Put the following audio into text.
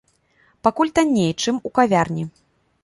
Пакуль танней, чым у кавярні.